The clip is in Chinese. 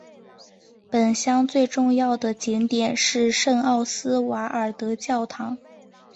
本乡最重要的景点是圣奥斯瓦尔德教堂。